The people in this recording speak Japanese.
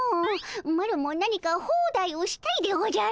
マロも何かホーダイをしたいでおじゃる！